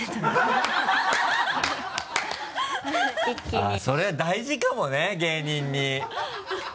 あぁそれは大事かもね芸人に。